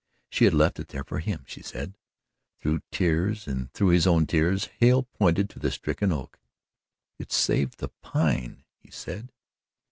She had left it there for him, she said, through tears, and through his own tears Hale pointed to the stricken oak: "It saved the Pine," he said.